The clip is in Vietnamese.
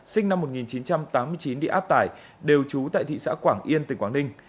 sinh năm một nghìn chín trăm tám mươi chín đi áp tải đều trú tại thị xã quảng yên tỉnh quảng ninh